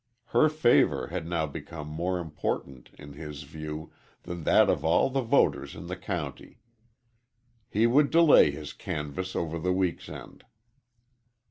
Her favor had now become more important, in his view, than that of all the voters in the county. He would delay his canvass over the week's end.